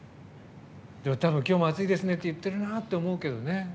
でも、今日も多分暑いですねって言ってるなと思うけどね。